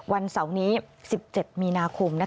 วันเสาร์นี้๑๗มีนาคม